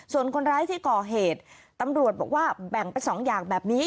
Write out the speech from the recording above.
ส่วนคนร้ายที่ก่อเหตุตำรวจบอกว่าแบ่งเป็นสองอย่างแบบนี้